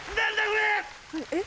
えっ？